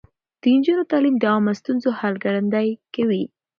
د نجونو تعليم د عامه ستونزو حل ګړندی کوي.